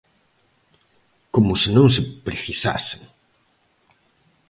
Como se non se precisasen!